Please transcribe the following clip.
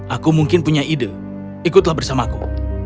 aku mungkin punya ide ikutlah bersamaku